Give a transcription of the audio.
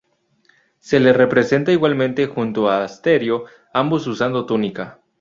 Se le representa igualmente junto a Asterio, ambos usando túnica.